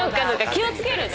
気を付けるね。